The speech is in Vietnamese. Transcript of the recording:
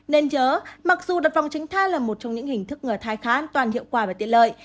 nên nhớ mặc dù đặt vòng tránh thai là một trong những hình thức ngài khá an toàn hiệu quả và tiện lợi